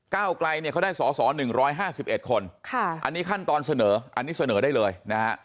ไกลเนี่ยเขาได้สอสอ๑๕๑คนอันนี้ขั้นตอนเสนออันนี้เสนอได้เลยนะฮะ